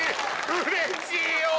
うれしいよ！